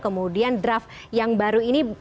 kemudian draft yang baru ini